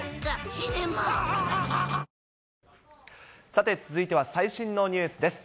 さて、続いては最新のニュースです。